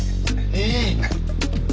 ええ。